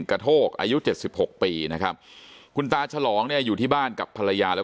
กระโทกอายุ๗๖ปีนะครับคุณตาฉลองอยู่ที่บ้านกับภรรยาแล้ว